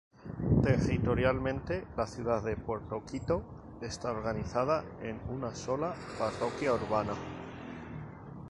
Territorialmente, la ciudad de Puerto Quito está organizada en una sola parroquia urbana.